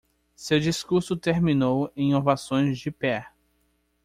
Seu discurso terminou em ovações de pé.